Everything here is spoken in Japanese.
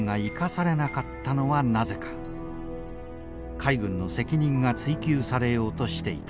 海軍の責任が追及されようとしていた。